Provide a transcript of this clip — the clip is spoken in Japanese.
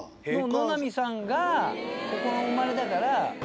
野並さんがここの生まれだから。